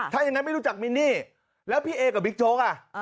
ถ้าอย่างนั้นไม่รู้จักมินนี่แล้วพี่เอกับบิ๊กโจ๊กอ่ะ